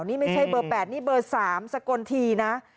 นี่ไม่ใช่เบอร์๘นี่เบอร์๓สกลทีนะ